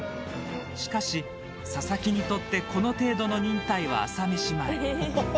しかし、佐々木にとってこの程度の忍耐は朝飯前。